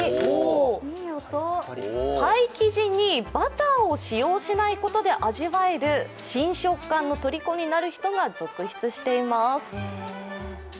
パイ生地にバターを使用しないことで味わえる新食感のとりこになる人が続出しています。